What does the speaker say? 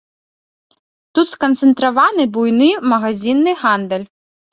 Тут сканцэнтраваны буйны магазінны гандаль.